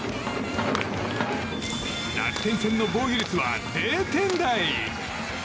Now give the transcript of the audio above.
楽天戦の防御率は０点台。